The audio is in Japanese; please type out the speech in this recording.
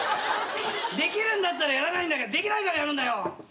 できるんだったらやらないんだけどできないからやるんだよ。